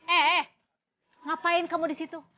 eh ngapain kamu di situ